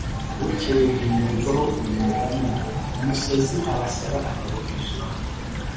Bukeye rihimbirwaho uyu mugani ngo «Umusazi arasara akagwa kw’ijambo»